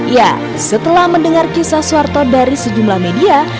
ya setelah mendengar kisah soeharto dari sejumlah media